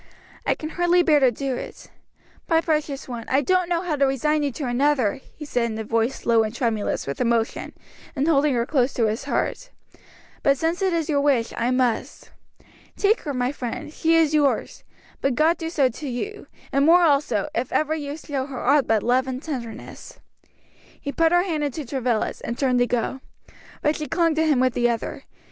"I can hardly bear to do it. My precious one, I don't know how to resign you to another," he said in a voice low and tremulous with emotion, and holding her close to his heart; "but since it is your wish, I must. Take her, my friend, she is yours. But God do so to you, and more also, if ever you show her aught but love and tenderness." He put her hand into Travilla's, and turned to go. But she clung to him with the other.